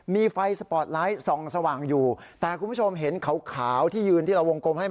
มีไฟสปอร์ตไลท์ส่องสว่างอยู่แต่คุณผู้ชมเห็นขาวที่ยืนที่เราวงกลมให้มา